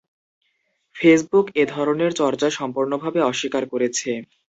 Facebook এ ধরনের চর্চা সম্পূর্ণভাবে অস্বীকার করেছে।